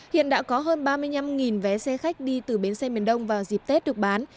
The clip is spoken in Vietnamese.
hiện đã có hơn ba mươi năm vé xe khách đi từ bến xe miền đông vào dịp tết được bán